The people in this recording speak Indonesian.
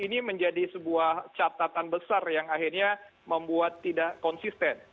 ini menjadi sebuah catatan besar yang akhirnya membuat tidak konsisten